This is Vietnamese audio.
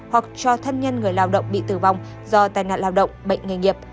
hoặc cho thân nhân người lao động bị tử vong do tai nạn lao động bệnh nghề nghiệp